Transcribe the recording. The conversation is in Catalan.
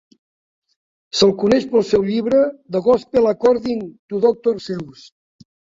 Se'l coneix pel seu llibre "The Gospel According to Doctor Seuss".